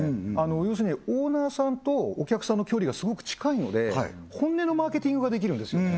要するにオーナーさんとお客さんの距離がすごく近いので本音のマーケティングができるんですよね